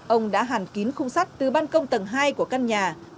ông đã hàn kín khung sắt từ ban công tầng hai của căn nhà